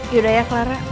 yaudah ya clara